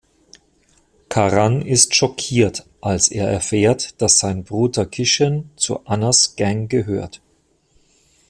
Karan ist schockiert, als er erfährt, dass sein Bruder Kishen zu Annas Gang gehört.